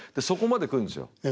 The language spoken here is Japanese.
そこまで来るんですよ。